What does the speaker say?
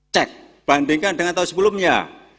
cek bandingkan dengan tahun sebelumnya